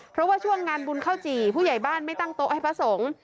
เพราะว่าช่วงงานบุญข้าวจี่ผู้ใหญ่บ้านไม่ตั้งโต๊ะให้พระสงฆ์